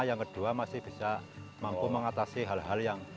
yang kedua masih bisa mampu mengatasi hal hal yang